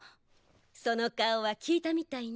その顔は聞いたみたいね。